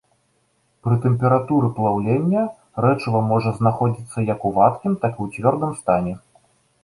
Пры тэмпературы плаўлення рэчыва можа знаходзіцца як у вадкім, так і ў цвёрдым стане.